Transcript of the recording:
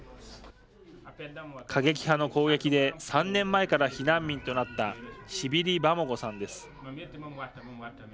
過激派の攻撃で３年前から避難民となったシビリ・バモゴさんです。